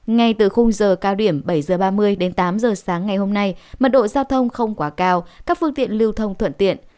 ngay từ khung giờ cao điểm bảy h ba mươi đến tám giờ sáng ngày hôm nay mật độ giao thông không quá cao các phương tiện lưu thông thuận tiện